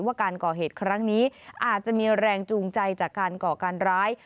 ว่าการก่อเหตุครั้งนี้อาจจะมีแรงจูงใจจากการก่อการร้าย